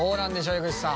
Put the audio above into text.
江口さん。